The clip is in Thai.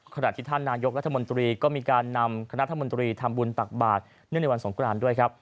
ขณะที่ท่านนายกรัฐมนตรีก็มีการนำคณะรัฐมนตรีทำบุญตักบาทเนื่องในวันสงครานด้วยครับ